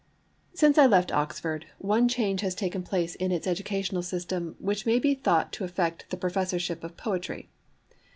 Since I left Oxford one change has taken place in its[Pg 6] educational system which may be thought to affect the Professorship of Poetry.